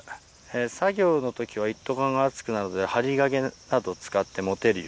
「作業の時は一斗缶が熱くなるので針金など使ってもてるように。